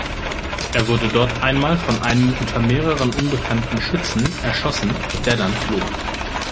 Er wurde dort einmal von einem unter mehreren unbekannten Schützen erschossen, der dann floh.